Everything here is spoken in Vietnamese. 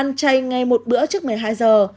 ăn chay ngay một bữa trước một mươi hai giờ